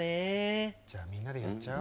じゃあみんなでやっちゃう？